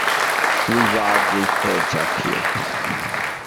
We’ve odd reports up here.